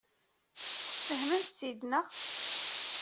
Tesfehmem-tt-id, naɣ?